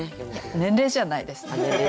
年齢じゃないです。